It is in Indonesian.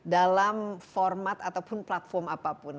dalam format ataupun platform apapun